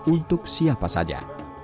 untuk siapa saja